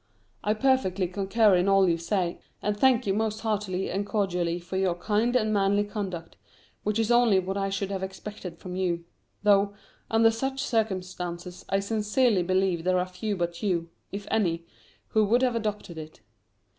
I perfectly concur in all you say, and thank you most heartily and cordially for your kind and manly conduct, which is only what I should have expected from you; though, under such circumstances, I sincerely believe there are few but you if any who would have adopted it.